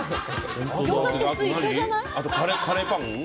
ギョーザって普通一緒じゃない？